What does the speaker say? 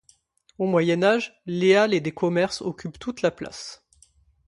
Au Moyen Âge, les halles et des commerces occupent toute la place.